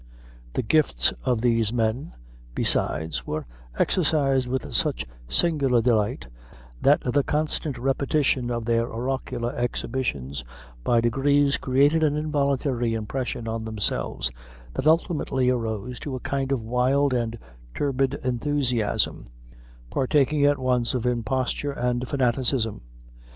The gifts of these men, besides, were exercised with such singular delight, that the constant repetition of their oracular exhibitions by degrees created an involuntary impression on themselves, that ultimately rose to a kind of wild and turbid enthusiasm, partaking at once of imposture and fanaticism.